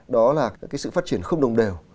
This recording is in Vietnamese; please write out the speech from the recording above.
đó là sự phát triển không đồng đều